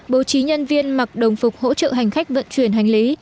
bố trí nhân viên mặc đồng phục hỗ trợ hành khách vận chuyển hành lý